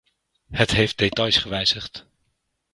Het heeft details gewijzigd.